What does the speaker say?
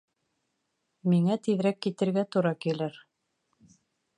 Миңә тиҙерәк китергә тура килер.